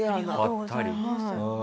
ばったり。